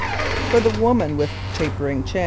23] For the Woman with Tapering Chin.